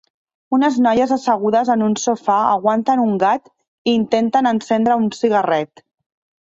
Unes noies assegudes en un sofà aguanten un gat i intenten encendre un cigarret.